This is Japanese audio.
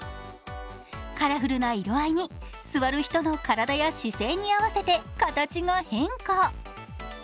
カラフルな色合いに座る人の体や姿勢に合わせて形が変化。